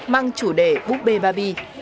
mang chủ đề búp bê bà bi